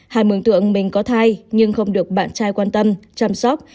hải mưởng tượng mình có thai nhưng không được bạn trai quan tâm chăm sóc